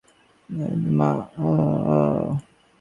তিনি Al Azhar বিশ্ববিদ্যালয়ে ভর্তি হন।